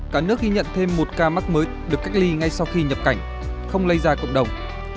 cả nước ghi nhận thêm một ca mắc mới được cách ly ngay sau khi nhập cảnh không lây ra cộng đồng